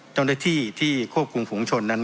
จังหลักที่ที่ควบคุมของชนนั้น